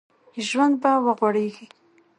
ژوند به وغوړېږي